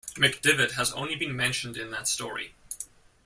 McDivot has only been mentioned in that story.